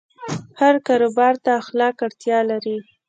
هر کاروبار ته اخلاق اړتیا لري.